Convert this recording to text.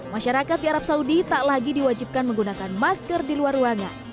masyarakat di arab saudi tak lagi diwajibkan menggunakan masker di luar ruangan